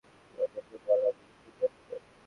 রাজিয়াকে বল আমি খুব ব্যাস্ত।